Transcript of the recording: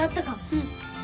うん。